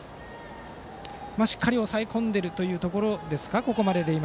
しっかり抑え込んでいるというところでしょうか。